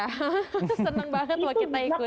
senang banget waktu kita ikutan